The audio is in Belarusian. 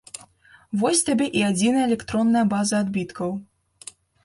Вось табе і адзіная электронная база адбіткаў!